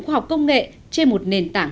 khoa học công nghệ trên một nền tảng